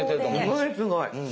すごいすごい。